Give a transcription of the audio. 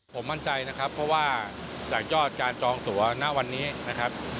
ผมมั่นใจนะครับเพราะว่าจากยอดการจองตัวณวันนี้นะครับ